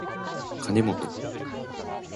かねもと